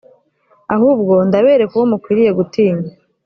ahubwo ndabereka uwo mukwiriye gutinya.